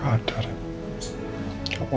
gak ada rem